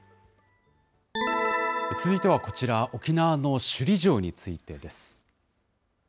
続いてはこちら、沖縄の首里城についてです。